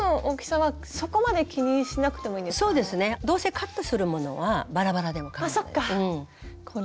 どうせカットするものはバラバラでもかまわないです。